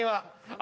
あ。